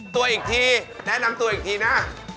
ตัวอีกทีแนะนำตัวอีกทีนะ